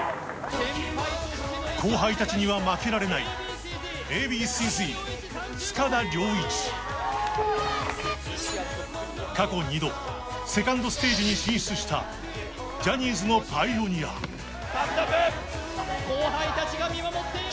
後輩達には負けられない過去２度セカンドステージに進出したジャニーズのパイオニア後輩達が見守っている